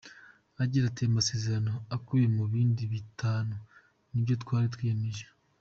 Agira ati “Amasezerano akubiye mu bintu bitanu nibyo twari twiyemeje.